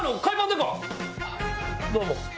どうも。